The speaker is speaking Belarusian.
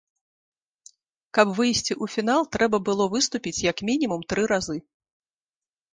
Каб выйсці ў фінал, трэба было выступіць як мінімум тры разы.